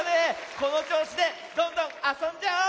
このちょうしでどんどんあそんじゃおう！